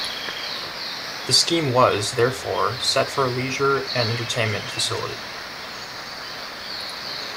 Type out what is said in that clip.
The scheme was, therefore, set for a leisure and entertainment facility.